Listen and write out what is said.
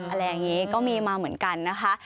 อะไรอย่างนี้ก็มีมาเหมือนกันนะคะ